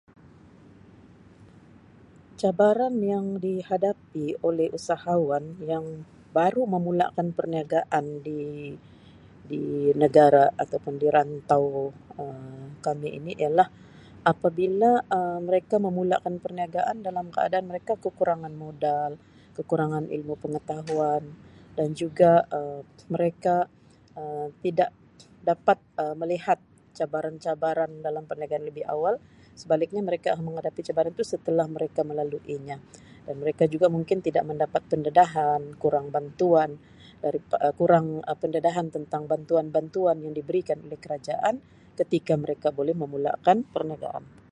Cabaran yang dihadapi oleh usahawan yang baru memulakan perniagaan di-di negara atau pun di rantau kami ini ialah apabila Um mereka memulakan perniagaan dalam keadaan mereka kekurangan modal, kekurangan ilmu pengetahuan dan juga Um mereka Um tidak dapat Um melihat cabaran-cabaran dalam perniagaan lebih awal sebaliknya mereka menghadapi cabaran tu setelah mereka melaluinya dan mereka juga mungkin tidak mendapat pendedahan, kurang bantuan, Um kurang pendedahan tentang bantuan-bantuan yang diberikan kerajaan ketika mereka baru memulakan perniagaan.